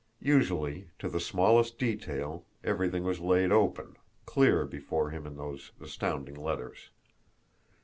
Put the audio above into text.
Usually, to the smallest detail, everything was laid open, clear before him in those astounding letters.